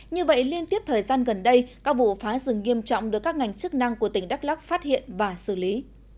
như vậy liên tiếp thời gian gần đây các vụ phá rừng nghiêm trọng được các ngành chức năng của tỉnh đắk lắk phát hiện và xử lý